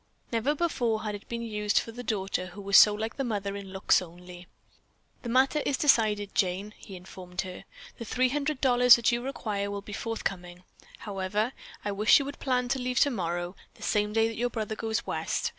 Never before had it been used for the daughter who was so like the mother in looks only. "The matter is decided. Jane," he informed her. "The $300 that you require will be forthcoming. However, I wish you would plan to leave tomorrow, the same day that your brother goes West.